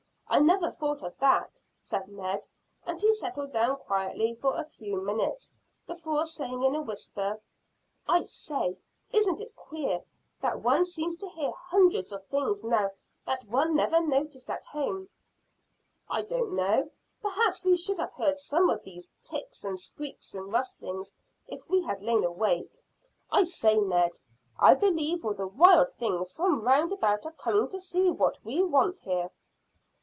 I never thought of that," said Ned, and he settled down quietly for a few minutes, before saying in a whisper: "I say, isn't it queer that one seems to hear hundreds of things now that one never noticed at home?" "I don't know. Perhaps we should have heard some of these ticks and squeaks and rustlings if we had lain awake. I say, Ned, I believe all the wild things from round about are coming to see what we want here."